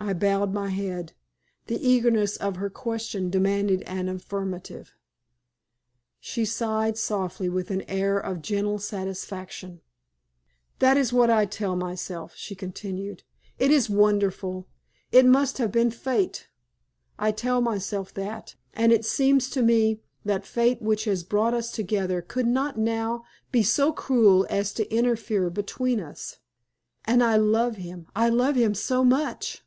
I bowed my head. The eagerness of her question demanded an affirmative. She sighed, softly, with an air of gentle satisfaction. "That is what I tell myself," she continued. "It is wonderful. It must have been fate. I tell myself that, and it seems to me that fate which has brought us together could not now be so cruel as to interfere between us. And I love him, I love him so much!"